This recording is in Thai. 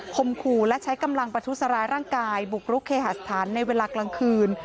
มขู่และใช้กำลังประทุษร้ายร่างกายบุกรุกเคหาสถานในเวลากลางคืน